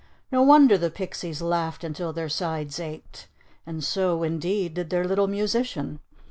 No wonder the pixies laughed until their sides ached. And so, indeed, did their little musician.